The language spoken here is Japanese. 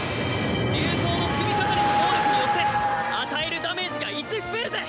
竜爪の首飾りの能力によって与えるダメージが１増えるぜ。